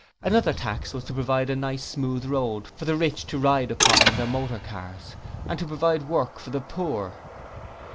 Another tax was to provide a nice, smooth road for the rich to ride upon in motor cars and to provide Work for the poor.